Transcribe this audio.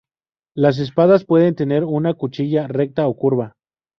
Las espadas pueden tener una cuchilla recta o curva.